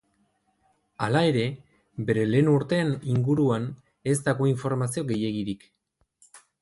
Hala ere, bere lehen urteen inguruan ez dago informazio gehiegirik.